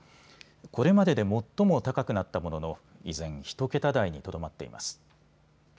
これまでで最も高くなったものの依然、１桁台にとどまっています。